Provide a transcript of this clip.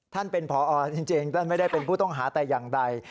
ท่านเป็นพอจริงท่านไม่ได้เป็นผู้ต้องหาแต่อย่างใด